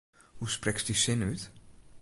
Hoe sprekst dy sin út?